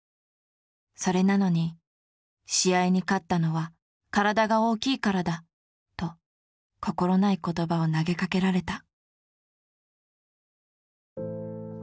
それなのに「試合に勝ったのは体が大きいからだ」と心ない言葉を投げかけられた。